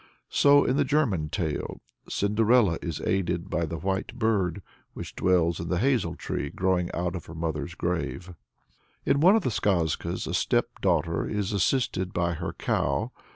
So in the German tale, Cinderella is aided by the white bird, which dwells in the hazel tree growing out of her mother's grave. In one of the Skazkas a stepdaughter is assisted by her cow.